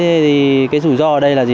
thế thì cái rủi ro ở đây là gì